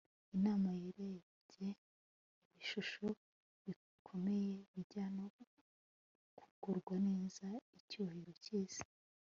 imana yarebye ibishuko bikomeye bijyana no kugubwa neza icyubahiro cy'isi